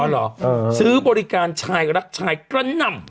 เหรอซื้อบริการชายรักชายกระหน่ำ